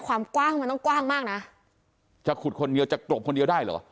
ความกว้างมันต้องกว้างมากนะจะขุดคนเดียวจะกรบคนเดียวได้เหรอ